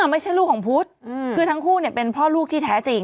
ไม่ใช่ลูกของพุทธคือทั้งคู่เป็นพ่อลูกที่แท้จริง